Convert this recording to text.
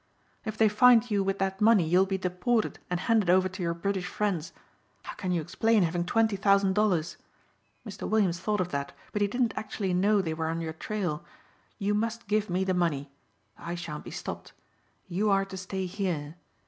"If they find you with that money you'll be deported and handed over to your British friends. How can you explain having twenty thousand dollars? Mr. Williams thought of that, but he didn't actually know they were on your trail. You must give me the money. I shan't be stopped. You are to stay here.